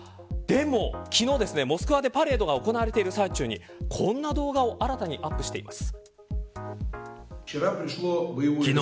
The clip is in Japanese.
でも、昨日、モスクワでパレードが行われている最中にこんな動画を新たにアップしています。